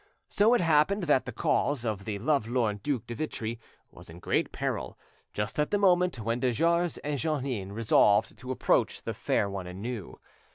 So it happened that the cause of the lovelorn Duc de Vitry was in great peril just at the moment when de Jars and Jeannin resolved to approach the fair one anew.